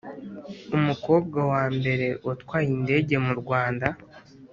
Umukobwa wambere watwaye indege murwanda